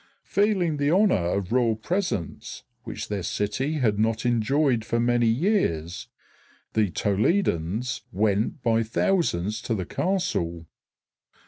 Feeling the honor of royal presence, which their city had not enjoyed for many years, the Toledans went by thousands to the castle.